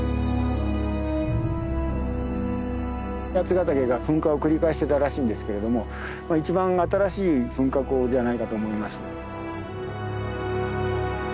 八ヶ岳が噴火を繰り返してたらしいんですけれども一番新しい噴火口ではないかと思います。